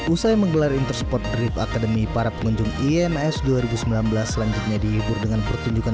usai menggelar intersport drift academy para pengunjung ims dua ribu sembilan belas selanjutnya dihibur dengan pertunjukan